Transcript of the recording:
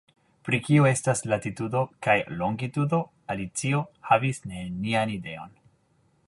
Pri kio estas latitudo kaj longitudo Alicio havis nenian ideon.